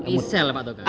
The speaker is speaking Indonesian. misel pak tegar